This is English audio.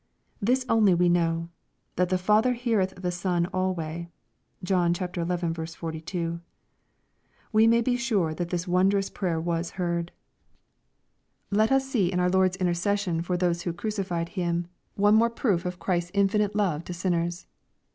This only we know, that "the Father heareth the Son alway." (John xi. 42.) We may be sure that this won drous prayer was heard. Let us see in our Lord's intercession for those who crucified Him, one more proof of Christ's infinite love ta 464 EXPOSITORY THOUaHTS, Binners.